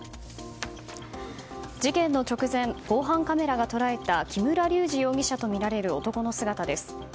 事件の直前、防犯カメラが捉えた木村隆二容疑者とみられる男の姿です。